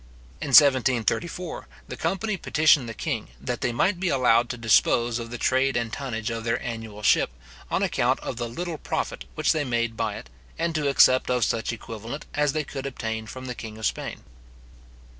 In 1734, the company petitioned the king, that they might be allowed to dispose of the trade and tonnage of their annual ship, on account of the little profit which they made by it, and to accept of such equivalent as they could obtain from the king of Spain.